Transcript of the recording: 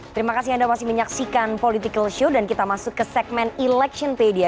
terima kasih anda masih menyaksikan political show dan kita masuk ke segmen electionpedia